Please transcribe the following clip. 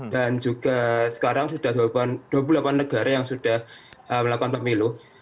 dan juga sekarang sudah dua puluh delapan negara yang sudah melakukan pemilu